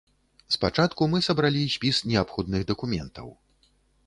Спачатку мы сабралі спіс неабходных дакументаў.